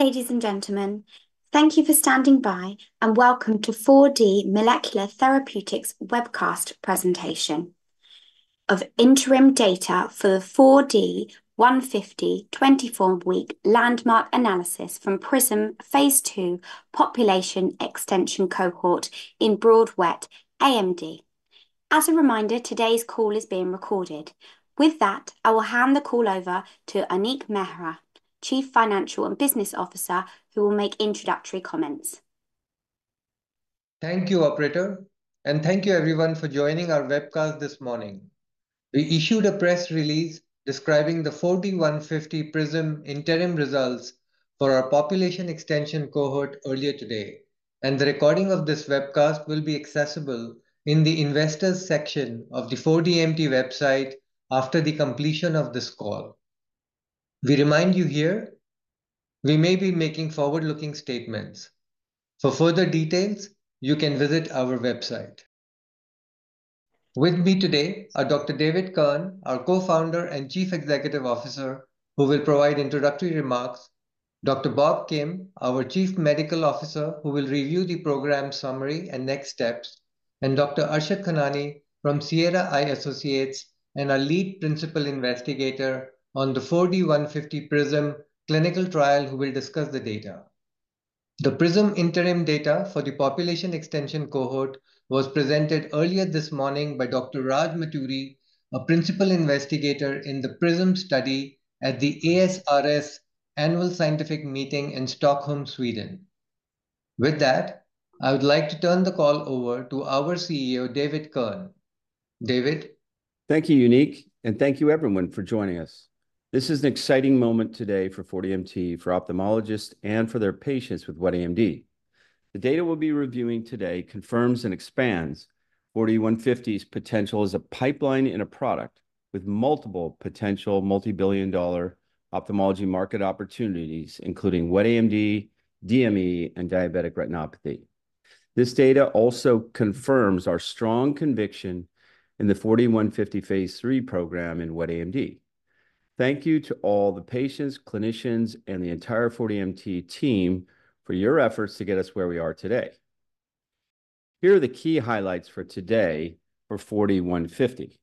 Ladies and gentlemen, thank you for standing by, and welcome to 4D Molecular Therapeutics webcast presentation of interim data for the 4D-150 24-week landmark analysis from PRISM Phase II population extension cohort in broad wet AMD. As a reminder, today's call is being recorded. With that, I will hand the call over to Uneek Mehra, Chief Financial and Business Officer, who will make introductory comments. Thank you, operator, and thank you everyone for joining our webcast this morning. We issued a press release describing the 4D-150 PRISM interim results for our population extension cohort earlier today, and the recording of this webcast will be accessible in the investors section of the 4DMT website after the completion of this call. We remind you here, we may be making forward-looking statements. For further details, you can visit our website. With me today are Dr. David Kirn, our Co-founder and Chief Executive Officer, who will provide introductory remarks. Dr. Bob Kim, our Chief Medical Officer, who will review the program summary and next steps. And Dr. Arshad Khanani from Sierra Eye Associates and our lead principal investigator on the 4D-150 PRISM clinical trial, who will discuss the data. The PRISM interim data for the population extension cohort was presented earlier this morning by Dr. Raj Maturi, a principal investigator in the PRISM study at the ASRS Annual Scientific Meeting in Stockholm, Sweden. With that, I would like to turn the call over to our CEO, David Kirn. David? Thank you, Uneek, and thank you everyone for joining us. This is an exciting moment today for 4DMT, for ophthalmologists, and for their patients with wet AMD. The data we'll be reviewing today confirms and expands 4D-150's potential as a pipeline and a product, with multiple potential multi-billion-dollar ophthalmology market opportunities, including wet AMD, DME, and diabetic retinopathy. This data also confirms our strong conviction in the 4D-150 phase III program in wet AMD. Thank you to all the patients, clinicians, and the entire 4DMT team for your efforts to get us where we are today. Here are the key highlights for today for 4D-150.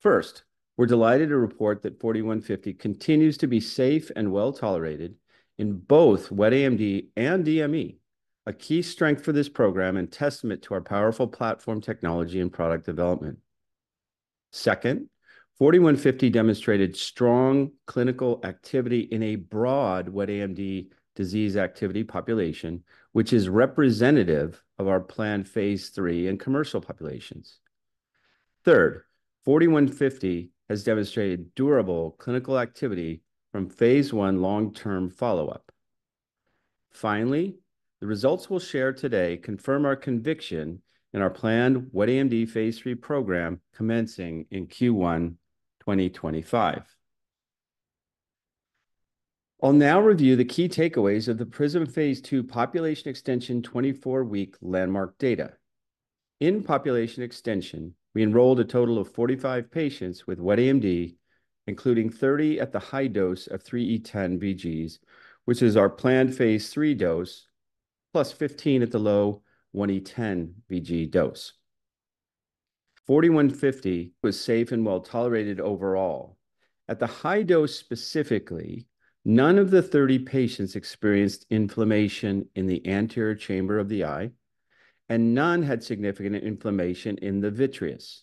First, we're delighted to report that 4D-150 continues to be safe and well-tolerated in both wet AMD and DME, a key strength for this program and testament to our powerful platform technology and product development. Second, 4D-150 demonstrated strong clinical activity in a broad wet AMD disease activity population, which is representative of our planned phase III and commercial populations. Third, 4D-150 has demonstrated durable clinical activity from phase I long-term follow-up. Finally, the results we'll share today confirm our conviction in our planned wet AMD phase III program, commencing in Q1 2025. I'll now review the key takeaways of the PRISM phase II population extension 24-week landmark data. In population extension, we enrolled a total of 45 patients with wet AMD, including 30 at the high dose of 3 × 10^{10} vg, which is our planned phase III dose, +15 at the low 1 × 10^{10} vg dose. 4D-150 was safe and well-tolerated overall. At the high dose specifically, none of the 30 patients experienced inflammation in the anterior chamber of the eye, and none had significant inflammation in the vitreous.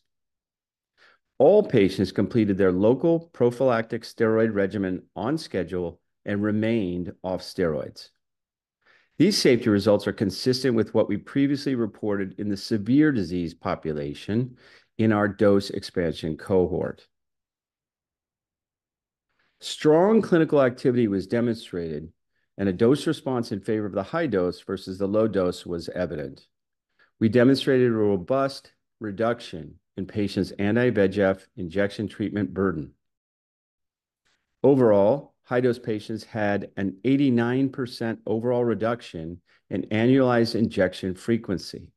All patients completed their local prophylactic steroid regimen on schedule and remained off steroids. These safety results are consistent with what we previously reported in the severe disease population in our dose expansion cohort. Strong clinical activity was demonstrated, and a dose response in favor of the high dose versus the low dose was evident. We demonstrated a robust reduction in patients' anti-VEGF injection treatment burden. Overall, high-dose patients had an 89% overall reduction in annualized injection frequency.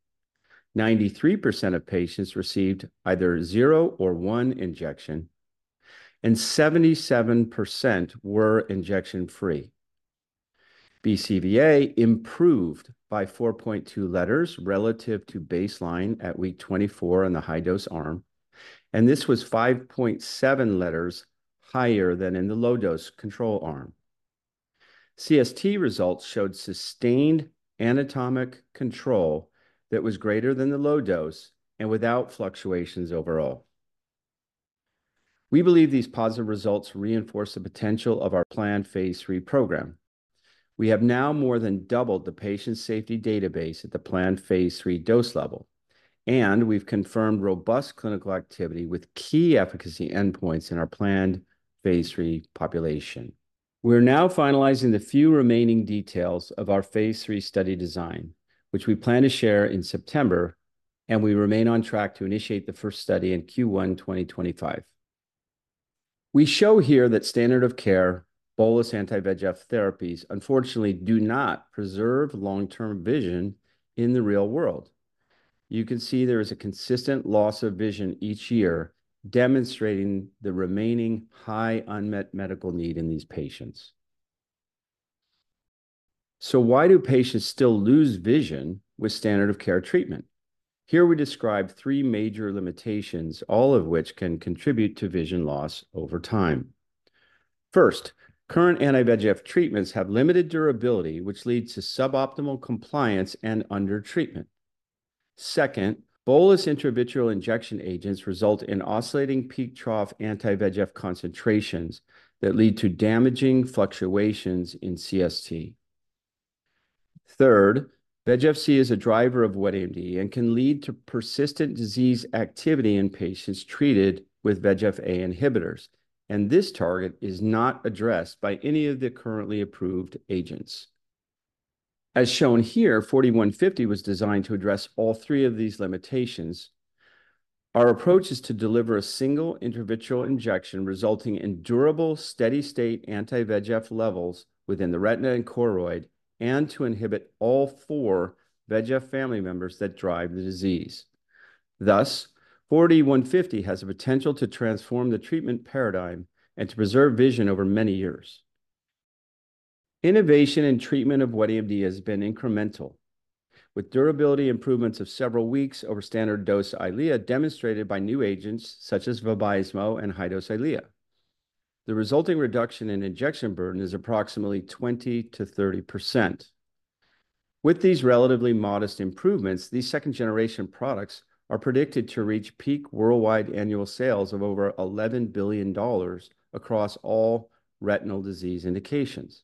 93% of patients received either zero or one injection, and 77% were injection-free. BCVA improved by 4.2 letters relative to baseline at week 24 in the high-dose arm, and this was 5.7 letters higher than in the low-dose control arm. CST results showed sustained anatomic control that was greater than the low-dose and without fluctuations overall. We believe these positive results reinforce the potential of our planned phase III program. We have now more than doubled the patient safety database at the planned phase III dose level, and we've confirmed robust clinical activity with key efficacy endpoints in our planned phase III population. We're now finalizing the few remaining details of our phase III study design, which we plan to share in September, and we remain on track to initiate the first study in Q1 2025. We show here that standard of care bolus anti-VEGF therapies unfortunately do not preserve long-term vision in the real world. You can see there is a consistent loss of vision each year, demonstrating the remaining high unmet medical need in these patients. So why do patients still lose vision with standard of care treatment? Here we describe three major limitations, all of which can contribute to vision loss over time. First, current anti-VEGF treatments have limited durability, which leads to suboptimal compliance and under-treatment. Second, bolus intravitreal injection agents result in oscillating peak-trough anti-VEGF concentrations that lead to damaging fluctuations in CST. Third, VEGF-C is a driver of wet AMD and can lead to persistent disease activity in patients treated with VEGF-A inhibitors, and this target is not addressed by any of the currently approved agents. As shown here, 4D-150 was designed to address all three of these limitations. Our approach is to deliver a single intravitreal injection, resulting in durable, steady-state anti-VEGF levels within the retina and choroid and to inhibit all four VEGF family members that drive the disease. Thus, 4D-150 has the potential to transform the treatment paradigm and to preserve vision over many years. Innovation in treatment of wet AMD has been incremental, with durability improvements of several weeks over standard dose Eylea, demonstrated by new agents such as Vabysmo and high-dose Eylea. The resulting reduction in injection burden is approximately 20%-30%. With these relatively modest improvements, these second-generation products are predicted to reach peak worldwide annual sales of over $11 billion across all retinal disease indications.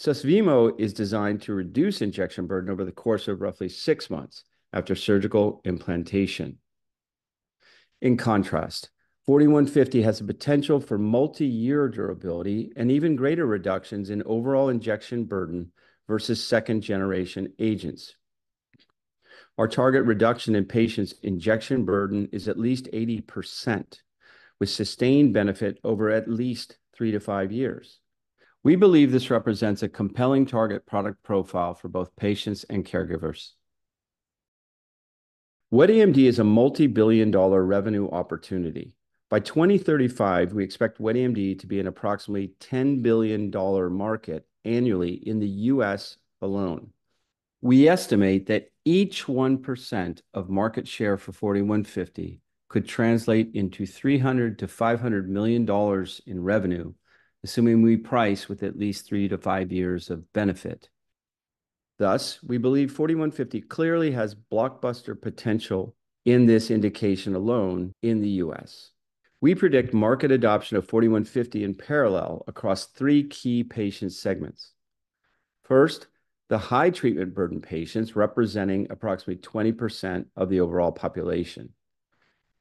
Susvimo is designed to reduce injection burden over the course of roughly six months after surgical implantation. In contrast, 4D-150 has the potential for multi-year durability and even greater reductions in overall injection burden versus second-generation agents. Our target reduction in patients' injection burden is at least 80%, with sustained benefit over at least 3-5 years. We believe this represents a compelling target product profile for both patients and caregivers. Wet AMD is a multi-billion dollar revenue opportunity. By 2035, we expect wet AMD to be an approximately $10 billion market annually in the US alone. We estimate that each 1% of market share for 4D-150 could translate into $300-$500 million in revenue, assuming we price with at least 3-5 years of benefit. Thus, we believe 4D-150 clearly has blockbuster potential in this indication alone in the U.S. We predict market adoption of 4D-150 in parallel across three key patient segments. First, the high treatment burden patients, representing approximately 20% of the overall population.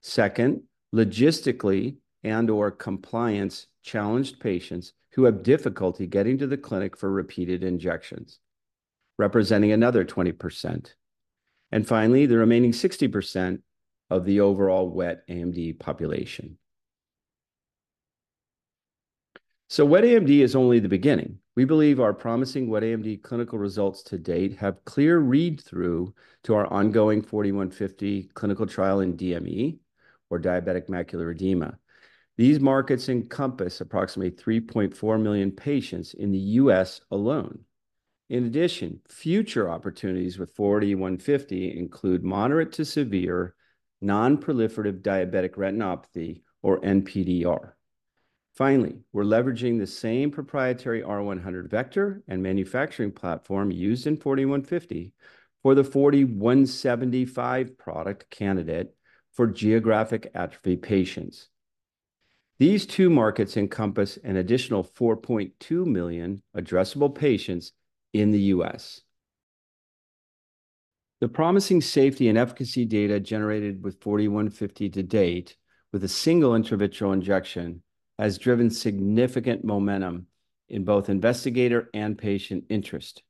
Second, logistically and/or compliance-challenged patients who have difficulty getting to the clinic for repeated injections, representing another 20%. And finally, the remaining 60% of the overall wet AMD population. So wet AMD is only the beginning. We believe our promising wet AMD clinical results to date have clear read-through to our ongoing 4D-150 clinical trial in DME, or diabetic macular edema. These markets encompass approximately 3.4 million patients in the U.S. alone. In addition, future opportunities with 4D-150 include moderate to severe non-proliferative diabetic retinopathy, or NPDR. Finally, we're leveraging the same proprietary R100 vector and manufacturing platform used in 4D-150 for the 4D-175 product candidate for geographic atrophy patients. These two markets encompass an additional 4.2 million addressable patients in the U.S. The promising safety and efficacy data generated with 4D-150 to date, with a single intravitreal injection, has driven significant momentum in both investigator and patient interest.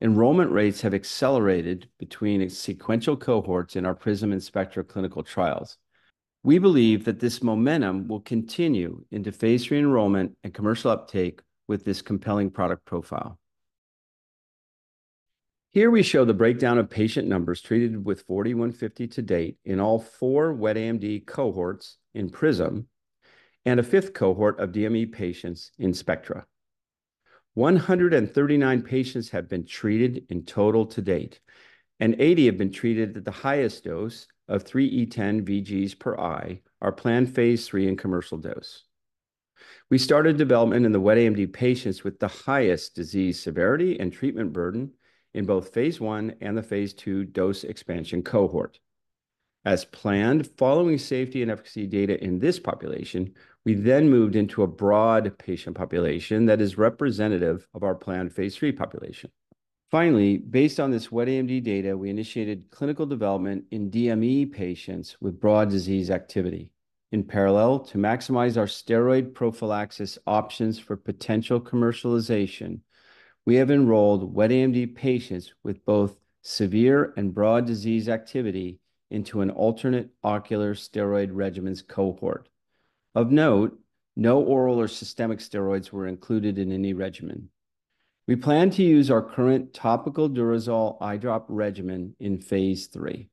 Enrollment rates have accelerated between sequential cohorts in our PRISM and SPECTRA clinical trials. We believe that this momentum will continue into Phase III enrollment and commercial uptake with this compelling product profile. Here we show the breakdown of patient numbers treated with 4D-150 to date in all four wet AMD cohorts in PRISM and a fifth cohort of DME patients in SPECTRA. 139 patients have been treated in total to date, and 80 have been treated at the highest dose of 3e10 VGs per eye, our planned Phase III and commercial dose. We started development in the wet AMD patients with the highest disease severity and treatment burden in both phase I and the phase II dose expansion cohort. As planned, following safety and efficacy data in this population, we then moved into a broad patient population that is representative of our planned phase III population. Finally, based on this wet AMD data, we initiated clinical development in DME patients with broad disease activity. In parallel, to maximize our steroid prophylaxis options for potential commercialization, we have enrolled wet AMD patients with both severe and broad disease activity into an alternate ocular steroid regimens cohort. Of note, no oral or systemic steroids were included in any regimen. We plan to use our current topical Durezol eye drop regimen in phase III.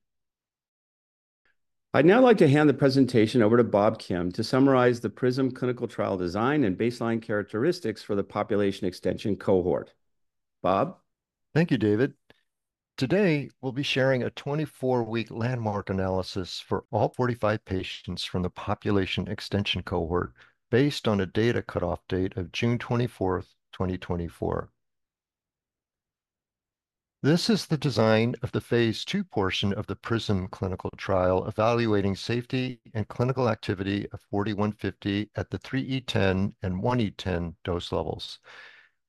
I'd now like to hand the presentation over to Bob Kim to summarize the PRISM clinical trial design and baseline characteristics for the population extension cohort. Bob? Thank you, David. Today, we'll be sharing a 24-week landmark analysis for all 45 patients from the population extension cohort, based on a data cutoff date of June 24th, 2024. This is the design of the phase II portion of the PRISM clinical trial, evaluating safety and clinical activity of 4D-150 at the 3E10 and 1E10 dose levels,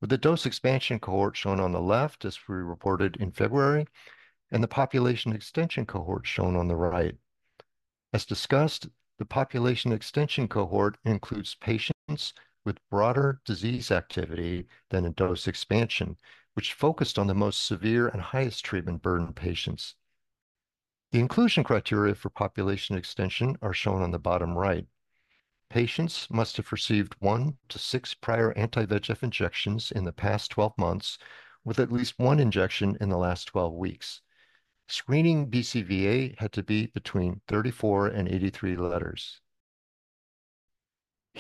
with the dose expansion cohort shown on the left, as we reported in February, and the population extension cohort shown on the right. As discussed, the population extension cohort includes patients with broader disease activity than in dose expansion, which focused on the most severe and highest treatment burden patients. The inclusion criteria for population extension are shown on the bottom right. Patients must have received 1-6 prior anti-VEGF injections in the past 12 months, with at least one injection in the last 12 weeks. Screening BCVA had to be between 34 and 83 letters.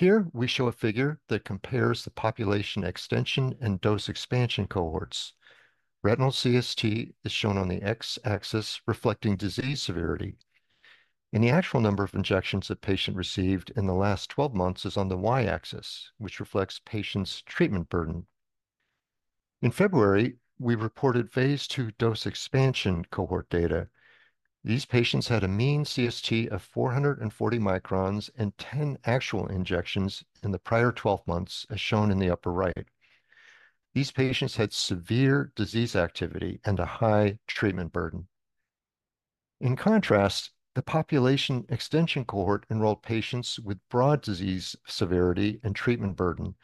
Here, we show a figure that compares the population extension and dose expansion cohorts. Retinal CST is shown on the X-axis, reflecting disease severity, and the actual number of injections a patient received in the last 12 months is on the Y-axis, which reflects patient's treatment burden. In February, we reported phase II dose expansion cohort data. These patients had a mean CST of 440 microns and 10 actual injections in the prior 12 months, as shown in the upper right. These patients had severe disease activity and a high treatment burden. In contrast, the population extension cohort enrolled patients with broad disease severity and treatment burden,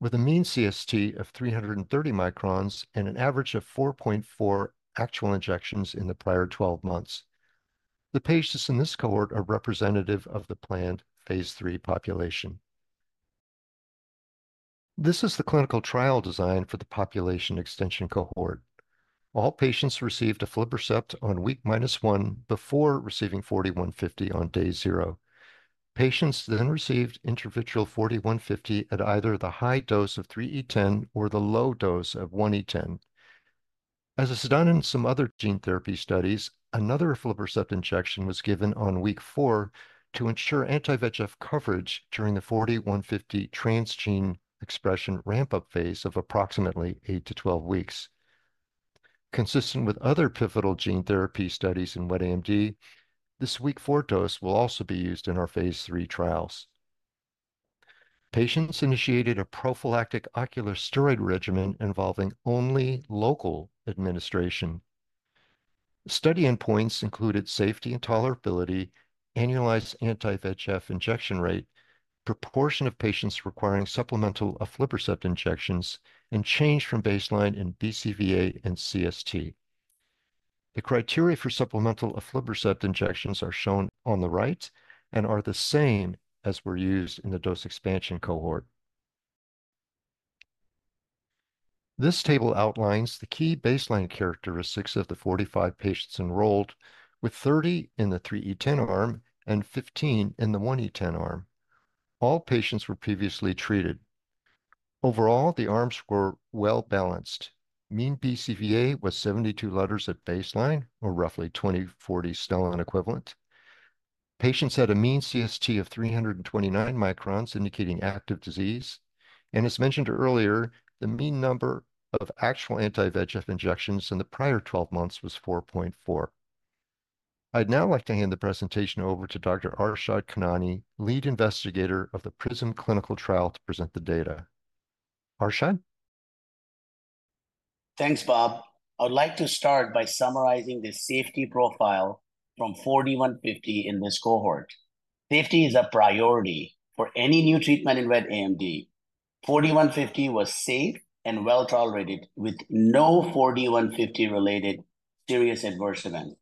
with a mean CST of 330 microns and an average of 4.4 actual injections in the prior 12 months. The patients in this cohort are representative of the planned phase III population. This is the clinical trial design for the population extension cohort. All patients received aflibercept on week -1 before receiving 4D-150 on day zero. Patients then received intravitreal 4D-150 at either the high dose of 3 × 10^{10} or the low dose of 1 × 10^{10}. As is done in some other gene therapy studies, another aflibercept injection was given on week 4 to ensure anti-VEGF coverage during the 4D-150 transgene expression ramp-up phase of approximately 8-12 weeks. Consistent with other pivotal gene therapy studies in wet AMD, this week 4 dose will also be used in our phase III trials. Patients initiated a prophylactic ocular steroid regimen involving only local administration. Study endpoints included safety and tolerability, annualized anti-VEGF injection rate, proportion of patients requiring supplemental aflibercept injections, and change from baseline in BCVA and CST. The criteria for supplemental aflibercept injections are shown on the right and are the same as were used in the dose expansion cohort. This table outlines the key baseline characteristics of the 45 patients enrolled, with 30 in the 3E10 arm and 15 in the 1E10 arm. All patients were previously treated. Overall, the arms were well-balanced. Mean BCVA was 72 letters at baseline, or roughly 20-40 Snellen equivalent. Patients had a mean CST of 329 microns, indicating active disease. As mentioned earlier, the mean number of actual anti-VEGF injections in the prior 12 months was 4.4. I'd now like to hand the presentation over to Dr.Arshad Khanani, lead investigator of the PRISM clinical trial, to present the data. Arshad? Thanks, Bob. I would like to start by summarizing the safety profile from 4D-150 in this cohort. Safety is a priority for any new treatment in wet AMD. 4D-150 was safe and well-tolerated, with no 4D-150-related serious adverse events.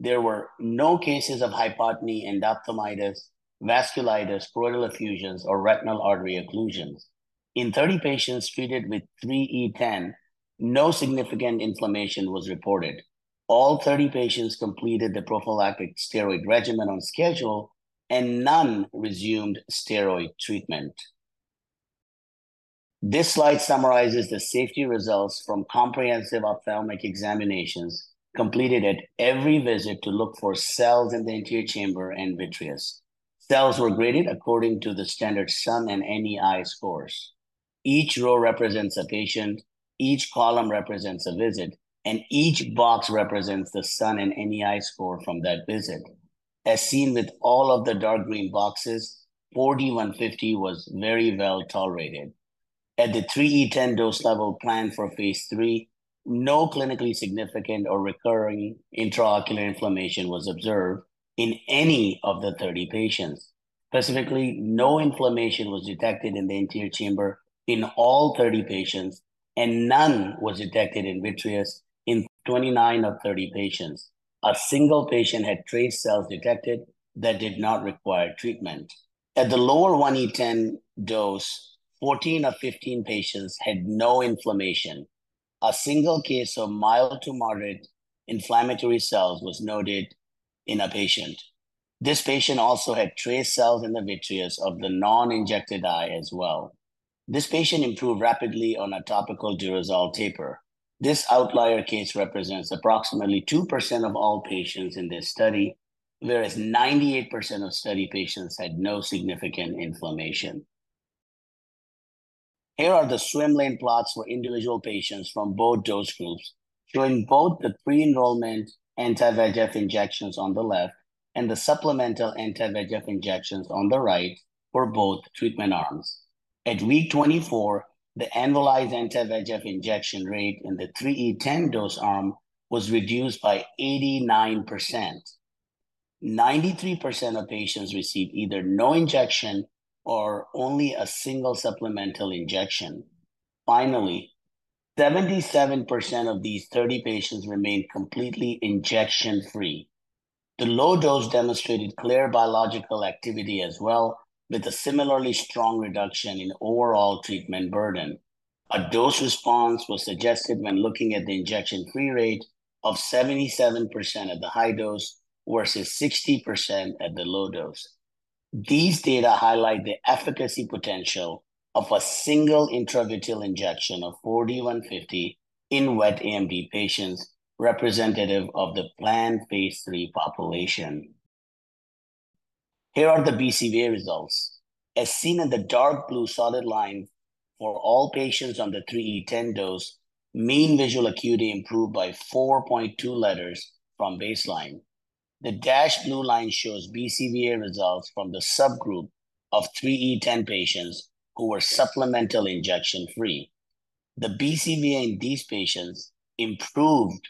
There were no cases of hypotony, endophthalmitis, vasculitis, pleural effusions, or retinal artery occlusions. In 30 patients treated with 3E10, no significant inflammation was reported. All 30 patients completed the prophylactic steroid regimen on schedule, and none resumed steroid treatment. This slide summarizes the safety results from comprehensive ophthalmic examinations completed at every visit to look for cells in the anterior chamber and vitreous. Cells were graded according to the standard SUN and NEI scores. Each row represents a patient, each column represents a visit, and each box represents the SUN and NEI score from that visit. As seen with all of the dark green boxes, 4D-150 was very well-tolerated. At the 3E10 dose level planned for phase III, no clinically significant or recurring intraocular inflammation was observed in any of the 30 patients. Specifically, no inflammation was detected in the anterior chamber in all 30 patients, and none was detected in vitreous in 29 of 30 patients. A single patient had trace cells detected that did not require treatment. At the lower 1E10 dose, 14 of 15 patients had no inflammation. A single case of mild to moderate inflammatory cells was noted in a patient. This patient also had trace cells in the vitreous of the non-injected eye as well. This patient improved rapidly on a topical Durezol taper. This outlier case represents approximately 2% of all patients in this study, whereas 98% of study patients had no significant inflammation. Here are the swim lane plots for individual patients from both dose groups, showing both the pre-enrollment anti-VEGF injections on the left and the supplemental anti-VEGF injections on the right for both treatment arms. At week 24, the annualized anti-VEGF injection rate in the 3E10 dose arm was reduced by 89%. 93% of patients received either no injection or only a single supplemental injection. Finally, 77% of these 30 patients remained completely injection-free. The low dose demonstrated clear biological activity as well, with a similarly strong reduction in overall treatment burden. A dose response was suggested when looking at the injection-free rate of 77% at the high dose versus 60% at the low dose. These data highlight the efficacy potential of a single intravitreal injection of 4D-150 in wet AMD patients, representative of the planned phase III population. Here are the BCVA results. As seen in the dark blue solid line, for all patients on the 3e10 dose, mean visual acuity improved by 4.2 letters from baseline. The dashed blue line shows BCVA results from the subgroup of 3e10 patients who were supplemental injection-free. The BCVA in these patients improved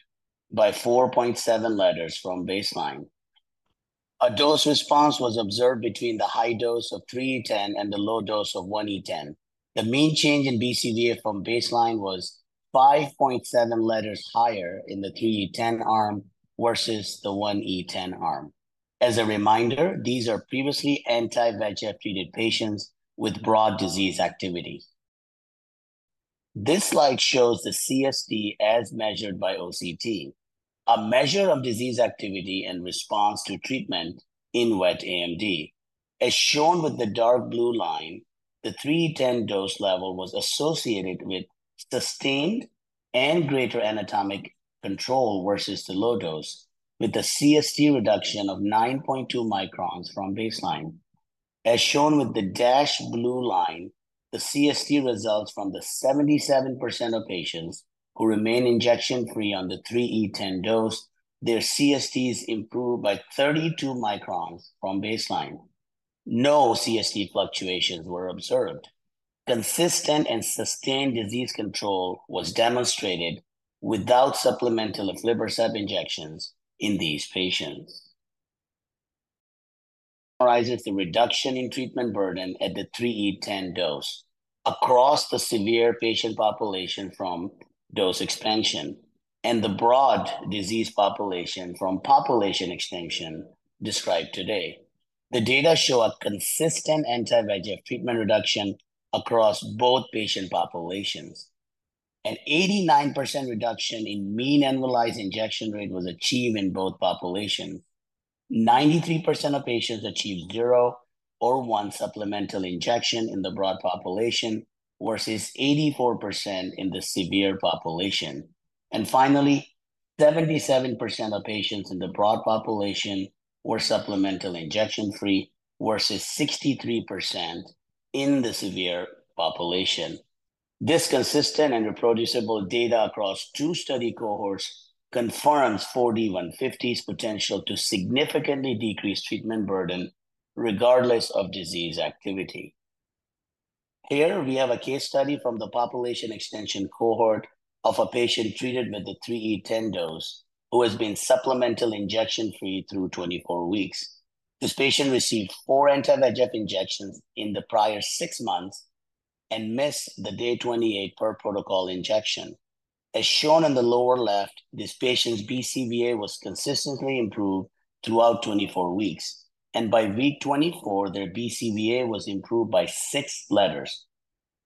by 4.7 letters from baseline. A dose response was observed between the high dose of 3e10 and the low dose of 1e10. The mean change in BCVA from baseline was 5.7 letters higher in the 3e10 arm versus the 1e10 arm. As a reminder, these are previously anti-VEGF treated patients with broad disease activity. This slide shows the CST as measured by OCT, a measure of disease activity and response to treatment in wet AMD. As shown with the dark blue line, the 3E10 dose level was associated with sustained and greater anatomic control versus the low dose, with the CST reduction of 9.2 microns from baseline. As shown with the dashed blue line, the CST results from the 77% of patients who remain injection-free on the 3E10 dose, their CSTs improved by 32 microns from baseline. No CST fluctuations were observed. Consistent and sustained disease control was demonstrated without supplemental aflibercept injections in these patients. Summarizes the reduction in treatment burden at the 3E10 dose across the severe patient population from dose expansion and the broad disease population from population expansion described today. The data show a consistent anti-VEGF treatment reduction across both patient populations. An 89% reduction in mean annualized injection rate was achieved in both populations. 93% of patients achieved zero or one supplemental injection in the broad population, versus 84% in the severe population. Finally, 77% of patients in the broad population were supplemental injection-free, versus 63% in the severe population. This consistent and reproducible data across two study cohorts confirms 4D-150's potential to significantly decrease treatment burden regardless of disease activity. Here we have a case study from the population extension cohort of a patient treated with the 3E10 dose, who has been supplemental injection-free through 24 weeks. This patient received four anti-VEGF injections in the prior six months and missed the day 28 per protocol injection. As shown in the lower left, this patient's BCVA was consistently improved throughout 24 weeks, and by week 24, their BCVA was improved by 6 letters.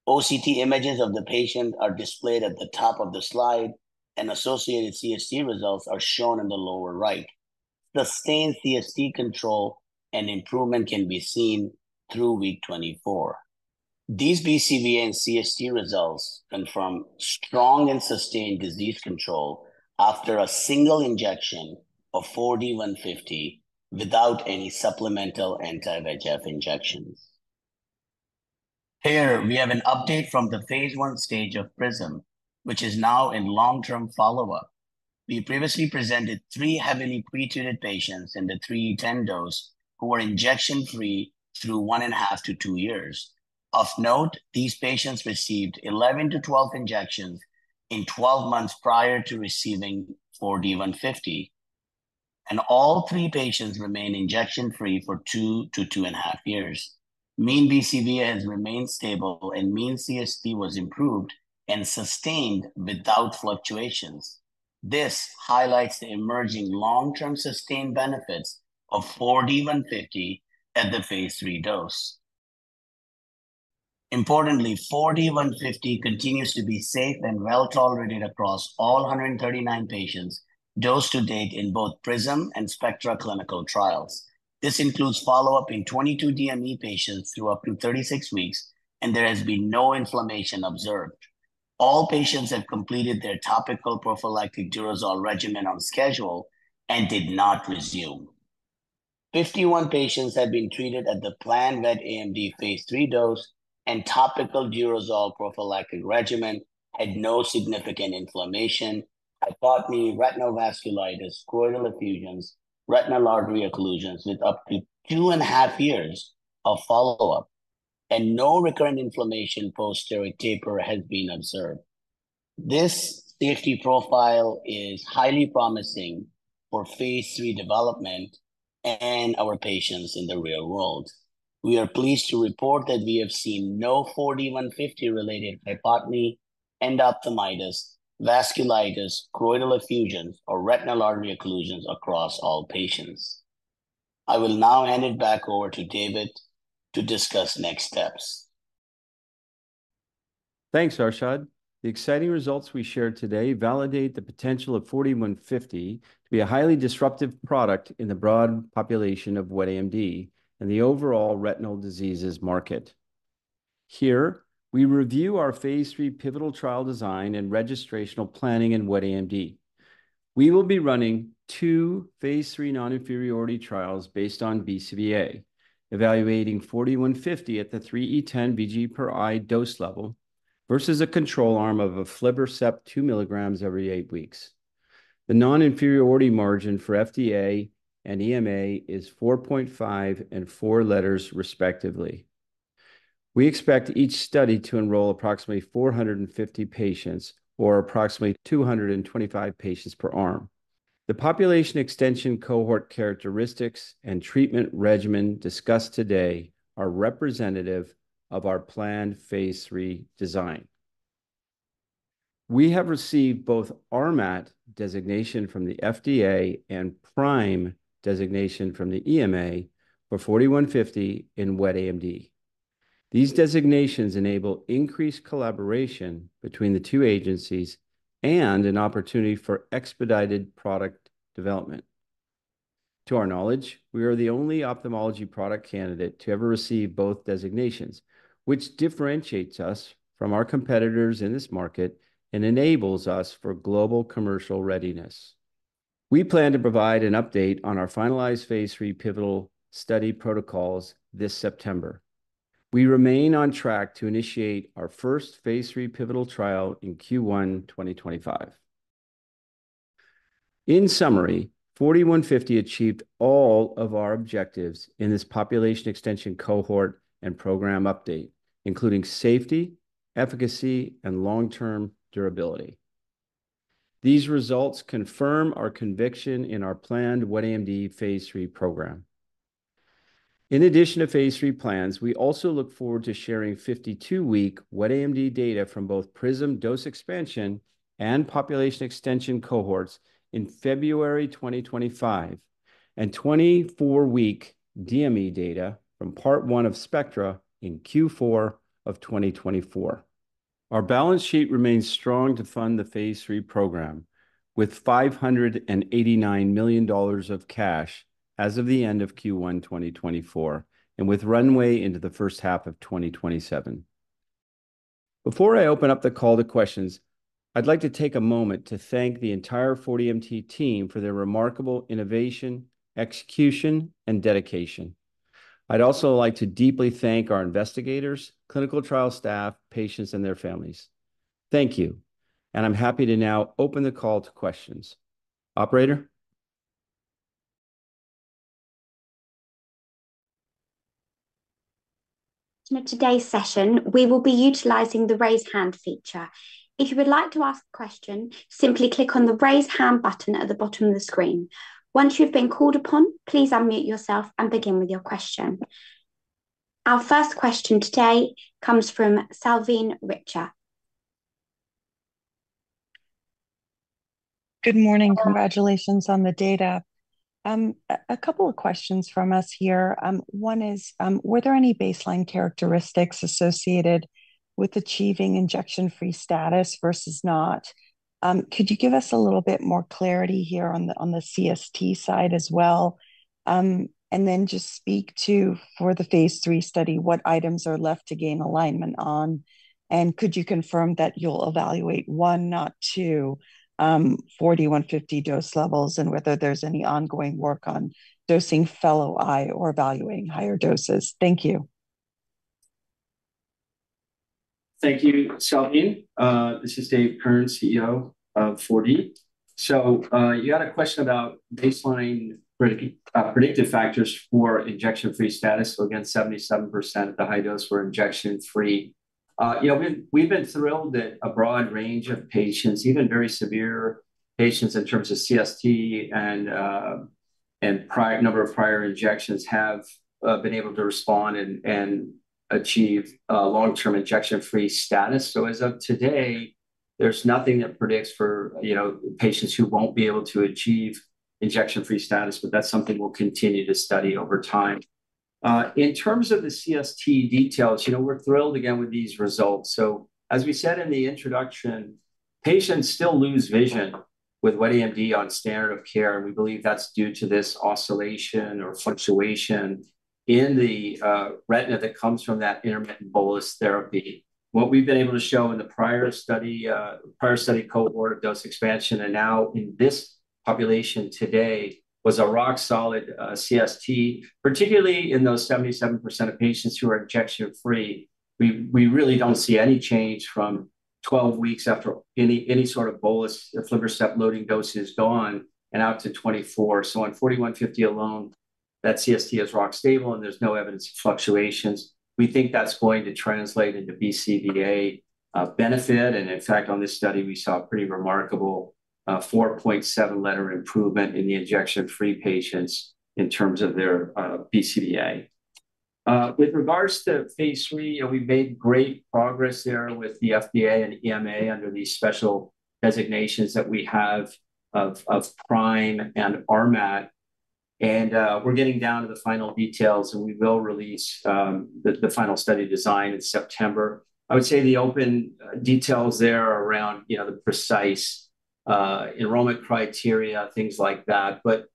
OCT images of the patient are displayed at the top of the slide, and associated CST results are shown in the lower right. Sustained CST control and improvement can be seen through week 24. These BCVA and CST results confirm strong and sustained disease control after a single injection of 4D-150 without any supplemental anti-VEGF injections. Here we have an update from the phase I stage of PRISM, which is now in long-term follow-up. We previously presented three heavily pretreated patients in the 3E10 dose who were injection-free through 1.5-2 years. Of note, these patients received 11-12 injections in 12 months prior to receiving 4D-150, and all three patients remained injection-free for 2-2.5 years. Mean BCVA has remained stable, and mean CST was improved and sustained without fluctuations. This highlights the emerging long-term sustained benefits of 4D-150 at the phase III dose. Importantly, 4D-150 continues to be safe and well-tolerated across all 139 patients dosed to date in both PRISM and SPECTRA clinical trials. This includes follow-up in 22 DME patients through up to 36 weeks, and there has been no inflammation observed. All patients have completed their topical prophylactic Durezol regimen on schedule and did not resume. 51 patients have been treated at the planned wet AMD phase III dose, and topical Durezol prophylactic regimen had no significant inflammation, hypotony, retinal vasculitis, choroidal effusions, retinal artery occlusions, with up to 2.5 years of follow-up, and no recurrent inflammation post-steroid taper has been observed. This safety profile is highly promising for phase III development and our patients in the real world. We are pleased to report that we have seen no 4D-150-related hypotony, endophthalmitis, vasculitis, choroidal effusions, or retinal artery occlusions across all patients. I will now hand it back over to David to discuss next steps. Thanks, Arshad. The exciting results we shared today validate the potential of 4D-150 to be a highly disruptive product in the broad population of wet AMD and the overall retinal diseases market. Here, we review our phase III pivotal trial design and registrational planning in wet AMD. We will be running two phase III non-inferiority trials based on BCVA, evaluating 4D-150 at the 3E10 VG per eye dose level versus a control arm of aflibercept 2 milligrams every 8 weeks. The non-inferiority margin for FDA and EMA is 4.5 and 4 letters, respectively. We expect each study to enroll approximately 450 patients or approximately 225 patients per arm. The population extension cohort characteristics and treatment regimen discussed today are representative of our planned phase III design. We have received both RMAT designation from the FDA and PRIME designation from the EMA for 4D-150 in wet AMD. These designations enable increased collaboration between the two agencies and an opportunity for expedited product development. To our knowledge, we are the only ophthalmology product candidate to ever receive both designations, which differentiates us from our competitors in this market and enables us for global commercial readiness. We plan to provide an update on our finalized phase III pivotal study protocols this September. We remain on track to initiate our first phase III pivotal trial in Q1 2025. In summary, 4D-150 achieved all of our objectives in this population extension cohort and program update, including safety, efficacy, and long-term durability. These results confirm our conviction in our planned wet AMD phase III program. In addition to phase III plans, we also look forward to sharing 52-week wet AMD data from both PRISM dose expansion and population extension cohorts in February 2025, and 24-week DME data from part one of SPECTRA in Q4 of 2024. Our balance sheet remains strong to fund the phase III program, with $589 million of cash as of the end of Q1 2024, and with runway into the first half of 2027. Before I open up the call to questions, I'd like to take a moment to thank the entire 4D MT team for their remarkable innovation, execution, and dedication. I'd also like to deeply thank our investigators, clinical trial staff, patients, and their families. Thank you, and I'm happy to now open the call to questions. Operator? In today's session, we will be utilizing the Raise Hand feature. If you would like to ask a question, simply click on the Raise Hand button at the bottom of the screen. Once you've been called upon, please unmute yourself and begin with your question. Our first question today comes from Salveen Richter. Good morning. Congratulations on the data. A couple of questions from us here. One is, were there any baseline characteristics associated with achieving injection-free status versus not? Could you give us a little bit more clarity here on the CST side as well? And then just speak to, for the phase III study, what items are left to gain alignment on, and could you confirm that you'll evaluate one, not two, 4D-150 dose levels, and whether there's any ongoing work on dosing fellow eye or evaluating higher doses? Thank you. Thank you, Salveen. This is David Kirn, CEO of 4D. So, you had a question about baseline pre, predictive factors for injection-free status. So again, 77% at the high dose were injection-free. Yeah, we've been thrilled that a broad range of patients, even very severe patients in terms of CST and prior number of prior injections, have been able to respond and achieve long-term injection-free status. So as of today, here's nothing that predicts for, you know, patients who won't be able to achieve injection-free status, but that's something we'll continue to study over time. In terms of the CST details, you know, we're thrilled again with these results. So as we said in the introduction, patients still lose vision with wet AMD on standard of care, and we believe that's due to this oscillation or fluctuation in the, retina that comes from that intermittent bolus therapy. What we've been able to show in the prior study cohort dose expansion, and now in this population today, was a rock solid, CST, particularly in those 77% of patients who are injection-free. We really don't see any change from 12 weeks after any sort of bolus, if aflibercept loading dose is gone and out to 24. So on 4D-150 alone, that CST is rock stable, and there's no evidence of fluctuations. We think that's going to translate into BCVA benefit, and in fact, on this study, we saw a pretty remarkable 4.7 letter improvement in the injection-free patients in terms of their BCVA. With regards to phase III, you know, we've made great progress there with the FDA and EMA under these special designations that we have of PRIME and RMAT. And we're getting down to the final details, and we will release the final study design in September. I would say the open details there around, you know, the precise enrollment criteria, things like that. But,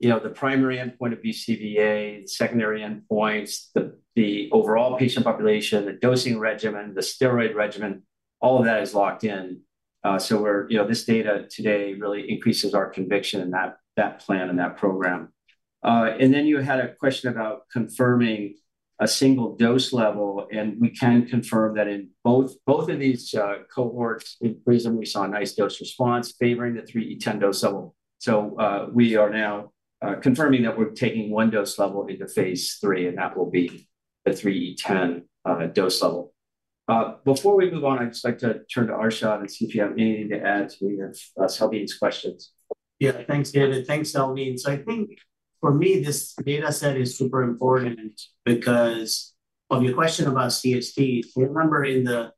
you know, the primary endpoint of BCVA, the secondary endpoints, the overall patient population, the dosing regimen, the steroid regimen, all of that is locked in. So we're, you know, this data today really increases our conviction in that plan and that program. And then you had a question about confirming a single dose level, and we can confirm that in both of these cohorts, in PRISM, we saw a nice dose response favoring the 3E10 dose level. So, we are now confirming that we're taking one dose level into Phase III, and that will be the 3E10 dose level. Before we move on, I'd just like to turn to Arshad and see if you have anything to add to your Selvi's questions. Yeah. Thanks, David. Thanks, Selvi. So I think for me, this data set is super important because of your question about CST. If you remember in the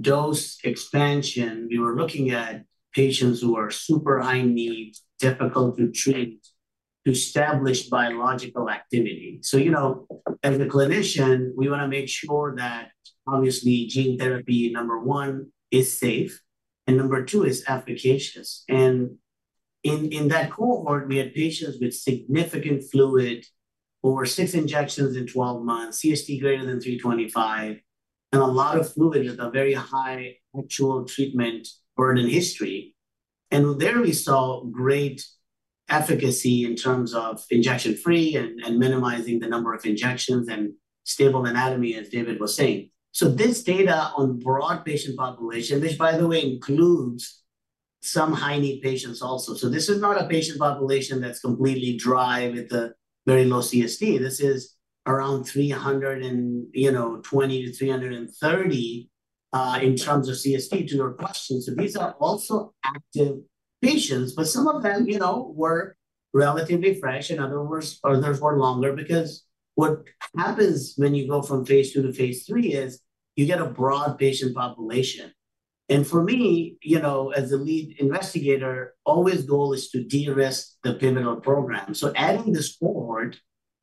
dose expansion, we were looking at patients who are super high-need, difficult to treat, to establish biological activity. So, you know, as a clinician, we want to make sure that obviously, gene therapy, number one, is safe, and number two, is efficacious. And in, in that cohort, we had patients with significant fluid over 6 injections in 12 months, CST greater than 325, and a lot of fluid with a very high actual treatment burden history. And there we saw great efficacy in terms of injection-free and, and minimizing the number of injections and stable anatomy, as David was saying. So this data on broad patient population, which, by the way, includes some high-need patients also. So this is not a patient population that's completely dry with a very low CST. This is around 320 to 330, you know, in terms of CST to your question. So these are also active patients, but some of them, you know, were relatively fresh, and others were longer. Because what happens when you go from phase II to phase III is you get a broad patient population. And for me, you know, as the lead investigator, always goal is to de-risk the pivotal program. So adding this cohort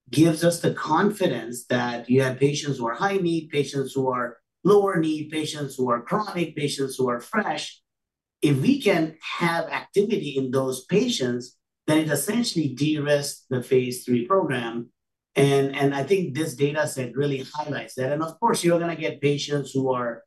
gives us the confidence that you have patients who are high-need, patients who are lower-need, patients who are chronic, patients who are fresh. If we can have activity in those patients, then it essentially de-risks the phase III program, and, and I think this data set really highlights that. And of course, you're going to get patients who are,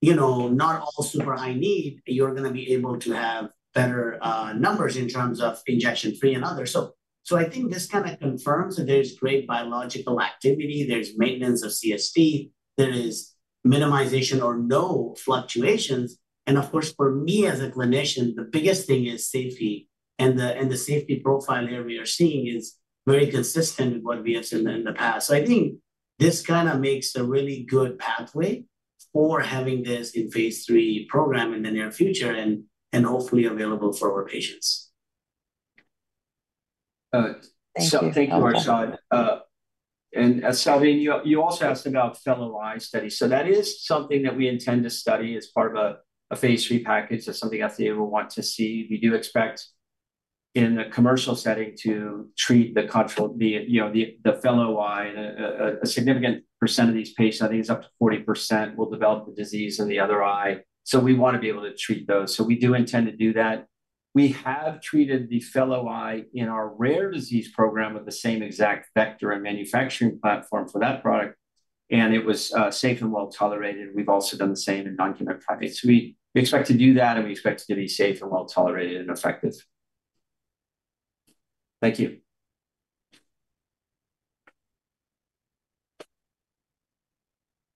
you know, not all super high-need, you're going to be able to have better numbers in terms of injection-free and others. So I think this kind of confirms that there's great biological activity, there's maintenance of CST, there is minimization or no fluctuations. And of course, for me, as a clinician, the biggest thing is safety, and the safety profile here we are seeing is very consistent with what we have seen in the past. So I think this kind of makes a really good pathway for having this in phase III program in the near future and hopefully available for our patients. Thank you, Arshad. Thank you. Selvi, you also asked about fellow eye study. So that is something that we intend to study as part of a phase III package. That's something FDA will want to see. We do expect in the commercial setting to treat the control, you know, the fellow eye. A significant percent of these patients, I think it's up to 40%, will develop the disease in the other eye, so we want to be able to treat those. So we do intend to do that. We have treated the fellow eye in our rare disease program with the same exact vector and manufacturing platform for that product, and it was safe and well tolerated. We've also done the same in non-human primates. We expect to do that, and we expect it to be safe and well tolerated and effective. Thank you.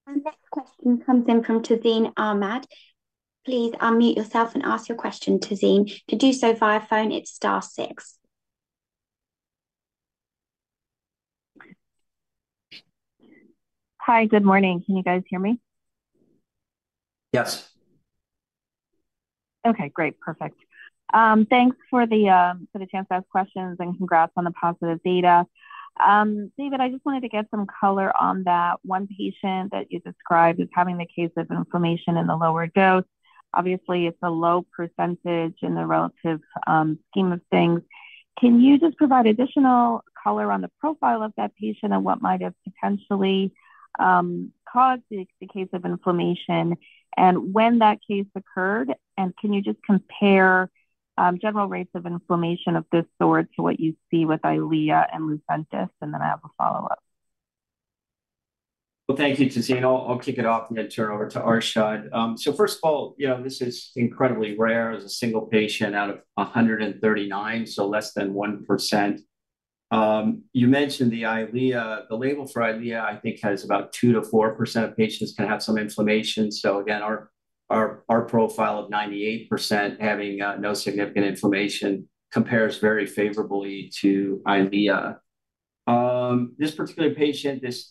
Our next question comes in from Tazeen Ahmad. Please unmute yourself and ask your question, Tazeen. To do so via phone, it's star six. Hi. Good morning. Can you guys hear me? Yes. Okay, great. Perfect. Thanks for the, for the chance to ask questions, and congrats on the positive data. David, I just wanted to get some color on that one patient that you described as having the case of inflammation in the lower dose. Obviously, it's a low percentage in the relative scheme of things. Can you just provide additional color on the profile of that patient and what might have potentially caused the case of inflammation and when that case occurred? And can you just compare general rates of inflammation of this sort to what you see with Eylea and Lucentis? And then I have a follow-up. Well, thank you, Tazeen. I'll kick it off and then turn it over to Arshad. So first of all, you know, this is incredibly rare as a single patient out of 139, so less than 1%. You mentioned the Eylea. The label for Eylea, I think, has about 2%-4% of patients can have some inflammation. So again, our profile of 98% having no significant inflammation compares very favorably to Eylea. This particular patient, this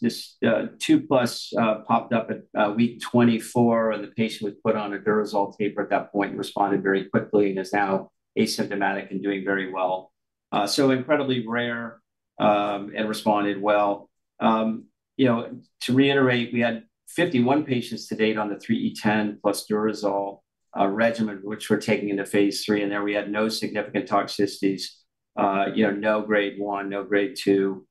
two plus popped up at week 24, and the patient was put on a Durezol taper at that point and responded very quickly and is now asymptomatic and doing very well. So incredibly rare, and responded well. You know, to reiterate, we had 51 patients to date on the 3E10 plus Durezol regimen, which we're taking into Phase III, and there we had no significant toxicities. You know, no grade 1, no grade 2,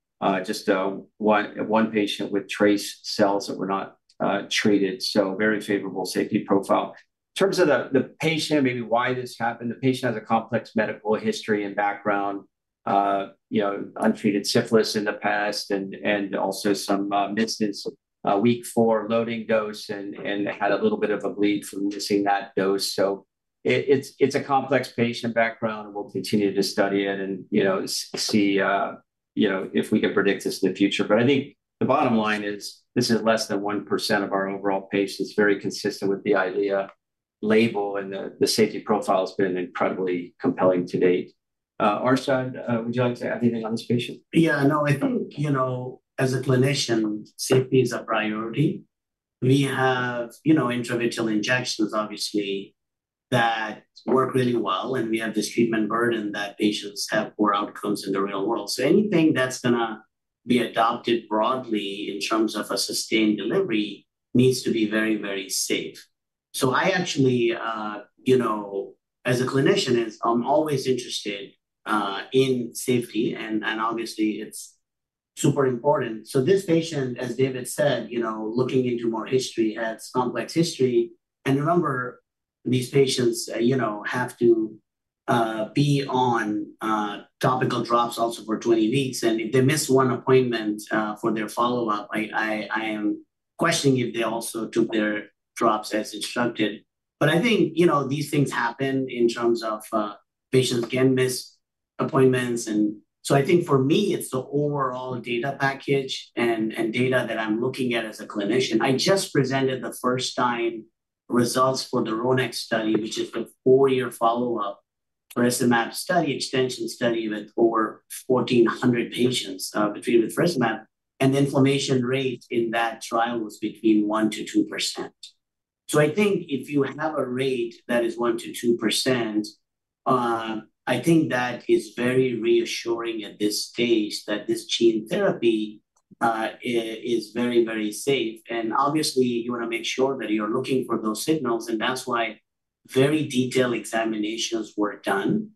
just 1 patient with trace cells that were not treated, so very favorable safety profile. In terms of the patient and maybe why this happened, the patient has a complex medical history and background. You know, untreated syphilis in the past and also some missed his week 4 loading dose and had a little bit of a bleed from missing that dose. So it's a complex patient background, and we'll continue to study it and, you know, see if we can predict this in the future. I think the bottom line is, this is less than 1% of our overall patients, very consistent with the Eylea label, and the safety profile has been incredibly compelling to date. Arshad, would you like to add anything on this patient? Yeah, no, I think, you know, as a clinician, safety is a priority. We have, you know, intravitreal injections, obviously, that work really well, and we have this treatment burden that patients have poor outcomes in the real world. So anything that's gonna be adopted broadly in terms of a sustained delivery needs to be very, very safe. So I actually, you know, as a clinician, I'm always interested in safety, and obviously, it's super important. So this patient, as David said, you know, looking into more history, has complex history. And remember, these patients, you know, have to be on topical drops also for 20 weeks, and if they miss one appointment for their follow-up, I am questioning if they also took their drops as instructed. But I think, you know, these things happen in terms of, patients can miss appointments. And so I think for me, it's the overall data package and, and data that I'm looking at as a clinician. I just presented the first-time results for the RHONE-X study, which is the four-year follow-up Vabysmo study, extension study with over 1,400 patients, treated with Vabysmo, and the inflammation rate in that trial was between 1%-2%. So I think if you have a rate that is 1%-2%, I think that is very reassuring at this stage that this gene therapy is very, very safe. Obviously, you want to make sure that you're looking for those signals, and that's why very detailed examinations were done